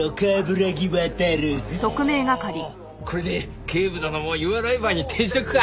これで警部殿もユアライバーに転職か！